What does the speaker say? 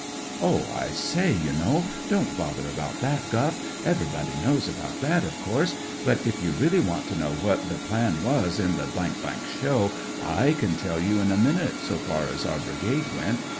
" Oh, I say, you know, don't bother about that guff. Everyone knows about that, of course. But, if ycu really want I to know what the plan wcis in the show, I can tell you in a minute, so far as our Brigade went.